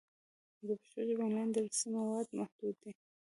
د پښتو ژبې آنلاین درسي مواد محدود دي.